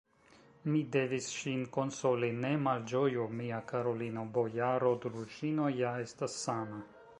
Mi devis ŝin konsoli: "ne malĝoju, mia karulino, bojaro Druĵino ja estas sana!"